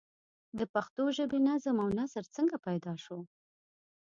د پښتو ژبې نظم او نثر څنگه پيدا شو؟